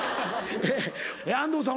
え安藤さん